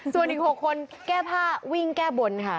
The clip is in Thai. ส่วนอีก๖คนแก้ผ้าวิ่งแก้บนค่ะ